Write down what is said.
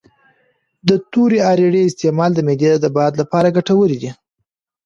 د تورې اریړې استعمال د معدې د باد لپاره ګټور دی